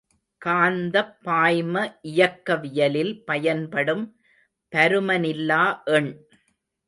காந்தப் பாய்ம இயக்கவியலில் பயன்படும் பருமனில்லா எண்.